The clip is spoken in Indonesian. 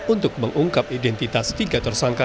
untuk mengungkap identitas tiga tersangka